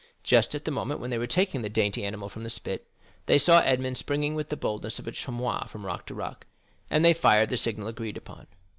Just at the moment when they were taking the dainty animal from the spit, they saw Edmond springing with the boldness of a chamois from rock to rock, and they fired the signal agreed upon.